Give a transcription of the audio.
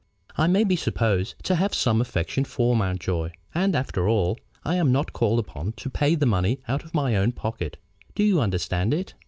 I may be supposed to have some affection for Mountjoy, and, after all, am not called upon to pay the money out of my own pocket. Do you understand it?"